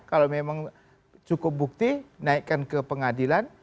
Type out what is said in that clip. kalau memang cukup bukti naikkan ke pengadilan